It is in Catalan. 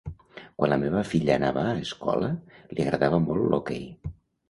Quan la meva filla anava a escola, li agradava molt l'hoquei.